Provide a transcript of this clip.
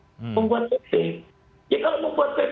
kalau membuat pp tanpa caturan uu ya inkonstitusional